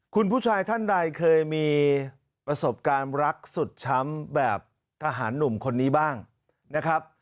คุณผู้ชายท่านใดเคยมีประสบการณ์รักสุดช้ำแบบทหารหนุ่มคนนี้บ้างนะครับ